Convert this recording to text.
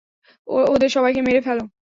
ওদের সবাইকে মেরে ফেলো।